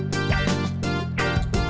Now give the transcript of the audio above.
nina belum ada kabar